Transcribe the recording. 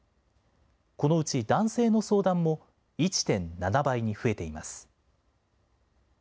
このうち男性の相談も１．７倍に増えています。